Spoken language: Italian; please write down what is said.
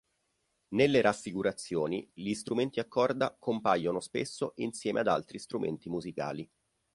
Nelle raffigurazioni gli strumenti a corda compaiono spesso insieme ad altri strumenti musicali.